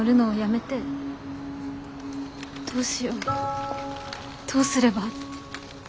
どうしようどうすれば。